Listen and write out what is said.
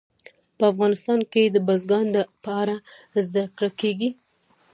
افغانستان کې د بزګان په اړه زده کړه کېږي.